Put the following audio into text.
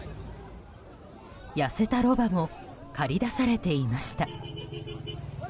痩せたロバも駆り出されていました。